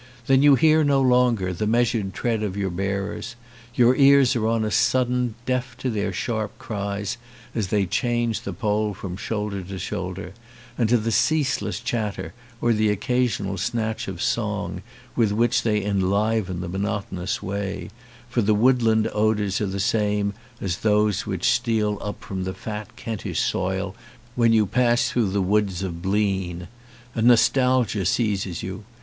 Then you hear no longer the meas ured tread of your bearers, your ears are on a sudden deaf to their sharp cries as they change the pole from shoulder to shoulder, and to the ceaseless chatter or the occasional snatch of song with which they enliven the monotonous way, for the woodland odours are the same as those which steal up from the fat Kentish soil when you pass 171 ON A CHINESE SCREEN through the woods of Bleane ; and nostalgia seizes you.